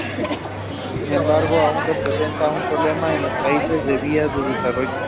Sin embargo, aún representa un problema en los países en vías de desarrollo.